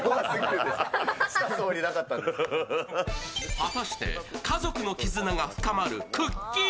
果たして家族の絆が深まるくっきー！